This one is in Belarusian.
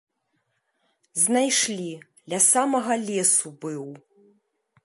Знайшлі, ля самага лесу быў.